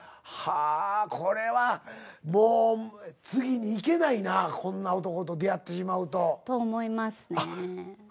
はあこれはもう次に行けないなこんな男と出会ってしまうと。と思いますね。